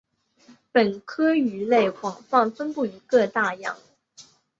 本科鱼类广泛分布于各大洋。